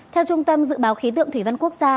theo trung tâm dự báo khí tượng thủy văn quốc gia